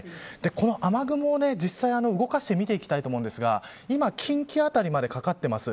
この雨雲を実際に動かして見てきたいと思いますが今、近畿辺りまでかかっています。